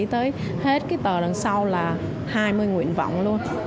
tới hết cái tờ đằng sau là hai mươi nguyện vọng luôn